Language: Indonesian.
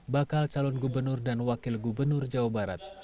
bakal calon gubernur dan wakil gubernur jawa barat